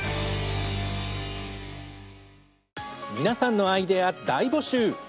皆さんのアイデア大募集！